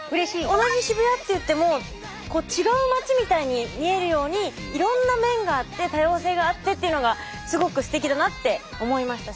同じ渋谷って言っても違う街みたいに見えるようにいろんな面があって多様性があってっていうのがすごくすてきだなって思いましたし